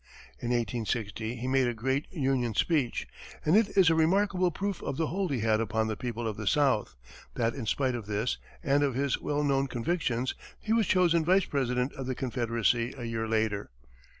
In 1860 he made a great Union speech; and it is a remarkable proof of the hold he had upon the people of the South, that, in spite of this, and of his well known convictions, he was chosen Vice President of the Confederacy a year later.